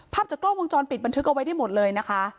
จากกล้องวงจรปิดบันทึกเอาไว้ได้หมดเลยนะคะ